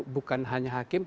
bukan hanya hakim